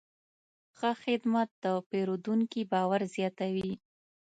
ښه خدمت د پیرودونکي باور زیاتوي.